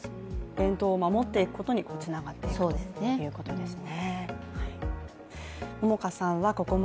伝統を守っていくことにつながっていくということですね。